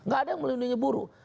gak ada yang melindungi buruh